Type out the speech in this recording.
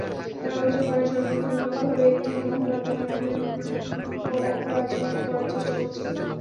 তাঁরা অভিযোগ করেন, ষড়যন্ত্রমূলকভাবে একটি মহল হত্যাকাণ্ড নিয়ে অপরাজনীতি করার চেষ্টা করছে।